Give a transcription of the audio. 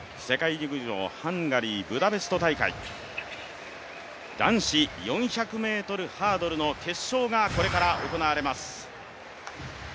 陸上ハンガリー・ブダペスト大会男子４００ｍハードルの決勝がこれから行われます。